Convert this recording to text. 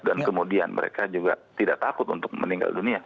dan kemudian mereka juga tidak takut untuk meninggal dunia